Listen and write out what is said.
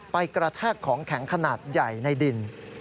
กระแทกของแข็งขนาดใหญ่ในดิน